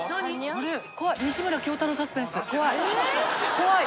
怖い。